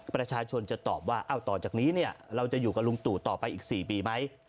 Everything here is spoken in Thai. ประชาชนจะตอบว่าต่อจากนี้เราจะอยู่กับลุงตู่ต่อไปอีก๔ปีไหม